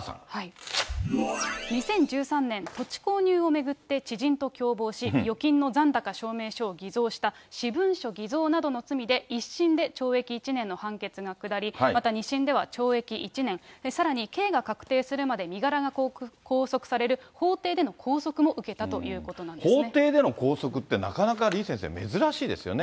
２０１３年、土地購入を巡って知人と共謀し、預金の残高証明書を偽造した私文書偽造などの罪で１審で懲役１年の判決が下り、また２審では懲役１年、さらに刑が確定するまで身柄が拘束される法廷での拘束も受けたと法廷での拘束って、なかなか李先生、珍しいですよね。